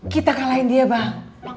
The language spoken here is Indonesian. kita kalahin dia bang